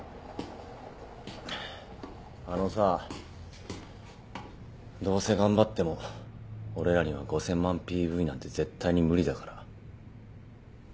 あのさどうせ頑張っても俺らには５，０００万ＰＶなんて絶対に無理だから。